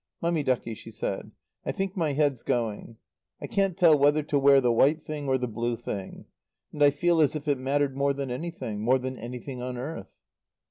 "Mummy ducky," she said, "I think my head's going. I can't tell whether to wear the white thing or the blue thing. And I feel as if it mattered more than anything. More than anything on earth."